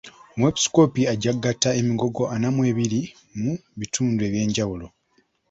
Omwepisikoopi ajja kugatta emigogo ana mu ebiri mu bitundu eby'enjawulo.